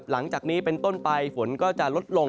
หลังจากนี้เป็นต้นไปฝนก็จะลดลง